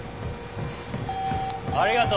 ありがとう。